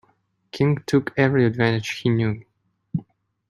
King took every advantage he knew.